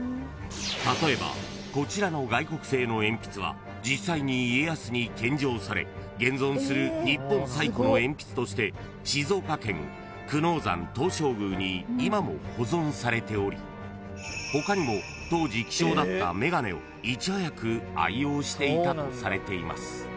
［例えばこちらの外国製の鉛筆は実際に家康に献上され現存する日本最古の鉛筆として静岡県久能山東照宮に今も保存されており他にも当時希少だった眼鏡をいち早く愛用していたとされています］